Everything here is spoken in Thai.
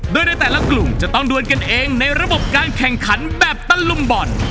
โดยในแต่ละกลุ่มจะต้องดวนกันเองในระบบการแข่งขันแบบตะลุมบ่อน